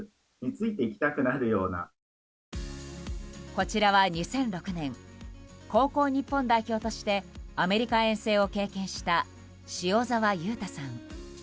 こちらは２００６年高校日本代表としてアメリカ遠征を経験した塩澤佑太さん。